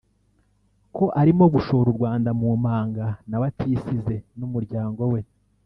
ko arimo gushora u Rwanda mu manga nawe atisize n’umuryango we